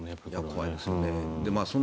怖いですよね。